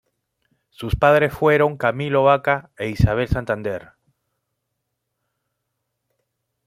Sus padres fueron Camilo Vaca e Isabel Santander.